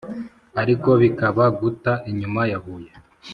ariko bikaba guta inyuma ya huye!